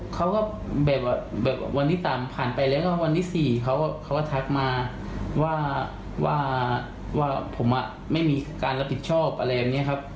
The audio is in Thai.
เขาก็แบบวันที่๓ผ่านไปแล้วก็วันที่๔เขาก็ทักมาว่าผมไม่มีการรับผิดชอบอะไรอย่างนี้ครับ